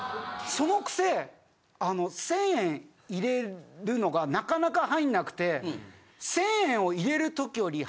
そのくせ１０００円入れるのがなかなか入んなくて。